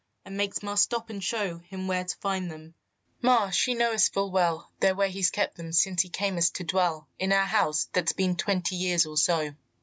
and makes ma stop and show Him where to find them. Ma she know st full well SONNETS OF A BUDDING BARD They re where he s kept them since he earnest to dwell In our house: that s been twenty years or so.